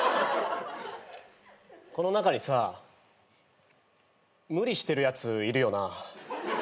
この中にさ無理してるやついるよな。